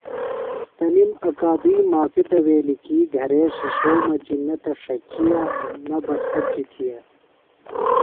تنِم اکادُئی معافیۡ دویلیۡ کی گھرے شِشو مجیۡ نہ تہ ݜچِیہ نہ بہ خچیۡ تِھیہ۔